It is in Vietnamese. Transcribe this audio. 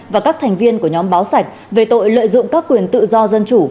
và các thành viên của nhóm báo sạch về tội lợi dụng các quyền tự do dân chủ